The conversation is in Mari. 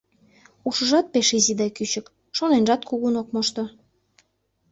Ушыжат пеш изи да кӱчык, шоненжат кугун ок мошто.